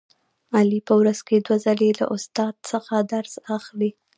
علي په ورځ کې دوه ځلې له استاد څخه درس اخلي.